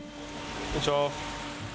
こんにちは。